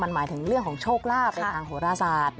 หมายถึงเรื่องของโชคลาภในทางโหราศาสตร์